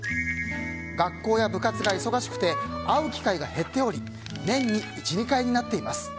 学校や部活が忙しくて会う機会が減っており年に１２回になっています。